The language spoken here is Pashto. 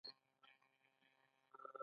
د افغانستان سوداګر پانګونه کوي